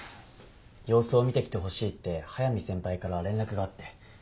様子を見てきてほしいって速見先輩から連絡があって。